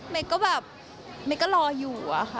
ก็แบบเมย์ก็รออยู่อะค่ะ